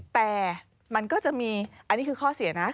แต่มันก็จะมีอันนี้คือข้อเสียนะ